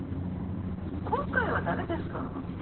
今回は誰ですか。